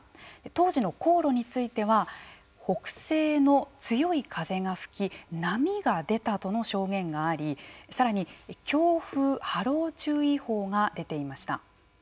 当時の航路については北西の強い風が吹き波が出たとの証言がありさらに、強風・波浪注意報が出ていました。